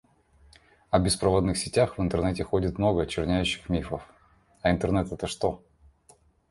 «О беспроводных сетях в интернете ходит много очерняющих мифов». — «А интернет это что?»